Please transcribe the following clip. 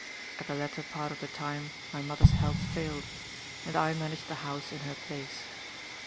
At the latter part of the time my mother's health failed; and I managed the house in her place.